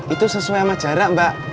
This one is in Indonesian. itu sesuai sama jarak mbak